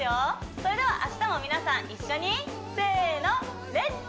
それでは明日も皆さん一緒にせーの「レッツ！